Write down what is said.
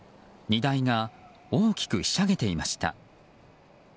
荷台が大きくひしゃげていました。